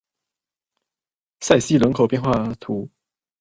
塞西人口变化图示